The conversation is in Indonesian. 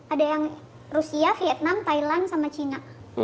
ada yang rusia vietnam thailand sama cina